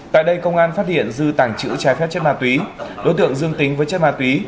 tại đây công an phát hiện dư tàng trữ trái phép chất ma túy đối tượng dương tính với chất ma túy